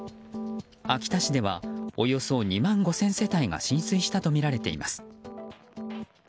秋田市ではおよそ２万５０００世帯が浸水したとみられています。